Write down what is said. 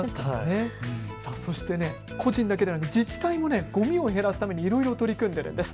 そして個人だけではなく自治体もごみを減らすためにいろいろ取り組んでいるんです。